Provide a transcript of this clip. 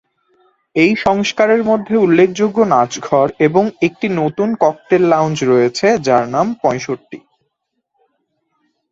এই সংস্কারের মধ্যে উল্লেখযোগ্য নাচঘর এবং একটি নতুন ককটেইল লাউঞ্জ রয়েছে, যার নাম পঁয়ষট্টি।